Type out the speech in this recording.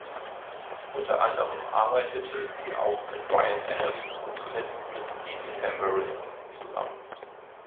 Unter anderem arbeitete sie auch mit Ryan Adams und zuletzt mit The Decemberists zusammen.